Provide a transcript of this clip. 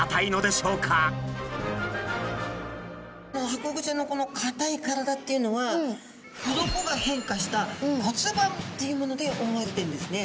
ハコフグちゃんのこのかたい体っていうのは鱗が変化した骨板っていうものでおおわれてるんですね。